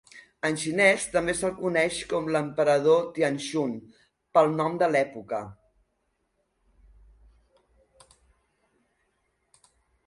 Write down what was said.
En xinès també se'l coneix com l'emperador de Tianshun pel nom de l'època.